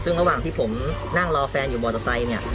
ซึ่งระหว่างที่ผมนั่งรอแฟนอยู่มอเตอร์ไซค์เนี่ย